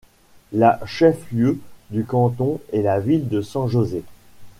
La chef-lieu du canton est la ville de San José.